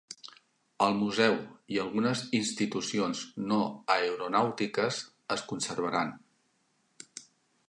El museu i algunes institucions no aeronàutiques es conservaran.